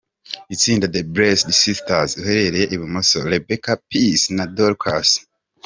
Itsinda The Blessed Sisters, uhereye ibumoso; Rebecca, Peace na Dorcas.